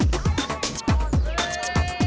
nggak diangkat ya